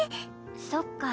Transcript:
そっか。